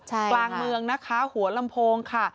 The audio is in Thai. กลางเมืองนะคะหัวลำโพงค่ะ